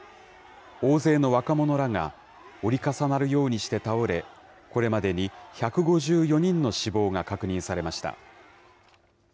大勢の若者らが、折り重なるようにして倒れ、これまでに１５４人の死亡が確認されました。